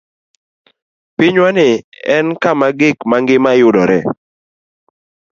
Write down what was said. Pinywani en kama gik ma ngima yudoree.